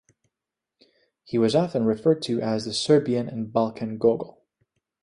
He was often referred to as the Serbian and Balkan Gogol.